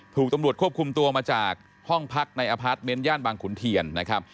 ถูกตำรวจควบคุมตัวมาจากห้องพักในอพัฒน์เม่นย่านบังขุนเทียน